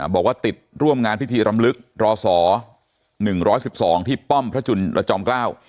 บอกว่าติดร่วมงานพิธีรำลึกรอศ๑๑๒ที่ป้อมพระจุลจอมเกล้า